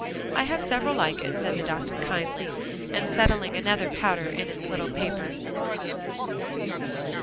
"I have several like it," said the doctor kindly, and settling another powder in its little paper.